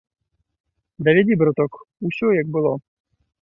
Давядзі, браток, усё, як было.